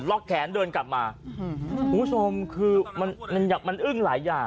ล็อกแขนเดินกลับมาหือผู้ชมคือมันมันอยากมันอึ้งหลายอย่าง